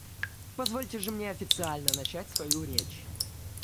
Позвольте же мне официально начать свою речь.